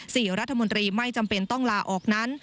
สี่รัฐมนตรีไม่จำเป็นต้องลาออกนั้น